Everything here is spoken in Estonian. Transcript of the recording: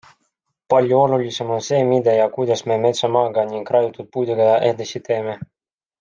Palju olulisem on see, mida ja kuidas me metsamaaga ning raiutud puiduga edasi teeme.